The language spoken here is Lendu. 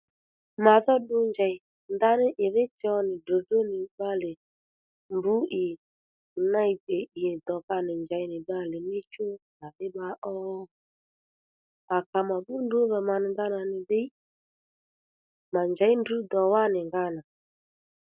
Mà dhó ddu njèy ndaní ìdhí cho nì dròdró nì bbalè mbr ì ney ì dò ka nì njěy nì bbalè níchu màdhí bba ó? À ka mà bbú ndrǔ dhò mà nì ndanà nì ddiy mà njěy ndrǔ dò wánì nga nà